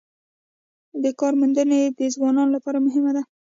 د کار موندنه د ځوانانو لپاره مهمه ده